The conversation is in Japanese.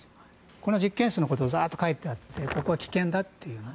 この実験室のことがざっと書いてあってここは危険だというのを。